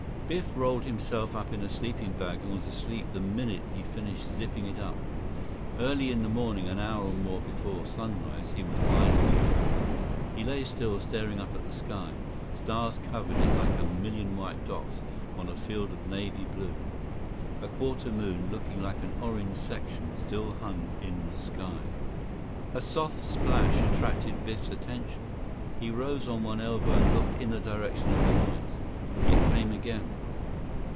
Biff rolled himself up in a sleeping bag and was asleep the minute he finished zipping it up. Early in the morning, an hour or more before sunrise, he was wide awake. He lay still, staring up at the sky. Stars covered it like a million white dots on a field of navy blue. A quarter moon, looking like an orange section, still hung in the sky. A soft splash attracted Biff's attention. He rose on one elbow and looked in the direction of the noise. It came again.